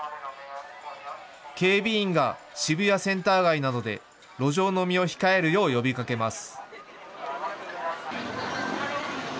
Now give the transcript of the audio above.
警備員が渋谷センター街などで路上飲みを控えるよう呼びかけます。